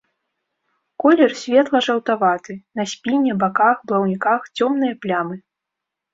Колер светла-жаўтаваты, на спіне, баках, плаўніках цёмныя плямы.